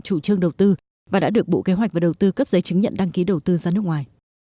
chủ trương đầu tư và đã được bộ kế hoạch và đầu tư cấp giấy chứng nhận đăng ký đầu tư ra nước ngoài